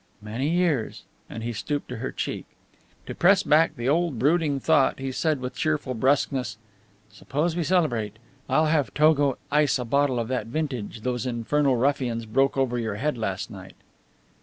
"Many years." And he stooped to her cheek. To press back the old brooding thought he said with cheerful brusqueness: "Suppose we celebrate? I'll have Togo ice a bottle of that vintage those infernal ruffians broke over your head last night."